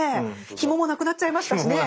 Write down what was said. ひもも無くなっちゃいましたしね。